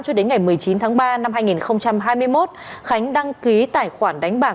trong khoảng thời gian từ ngày tám một mươi chín ba hai nghìn hai mươi một khánh đăng ký tài khoản đánh bạc